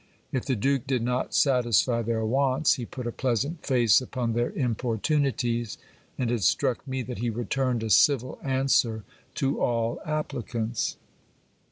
If the duke did not satisfy their wants, he put a pleasant face upon their importunities ; and it struck me that he returned a civil answer to all applicants.